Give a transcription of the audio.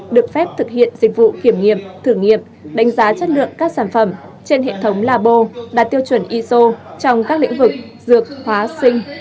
được phép thực hiện dịch vụ kiểm nghiệm thử nghiệm đánh giá chất lượng các sản phẩm trên hệ thống labo đạt tiêu chuẩn iso trong các lĩnh vực dược hóa sinh